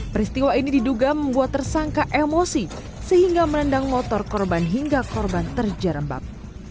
peristiwa ini diduga membuat tersangka emosi sehingga menendang motor korban hingga korban terjerembab